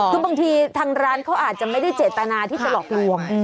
คือบางทีทางร้านเขาอาจจะไม่ได้เจตนาที่จะหลอกลวง